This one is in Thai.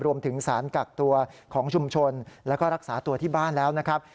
รวมถึงสารกักตัวของชุมชนแล้วก็รักษาตัวที่บ้านแล้วนะครับ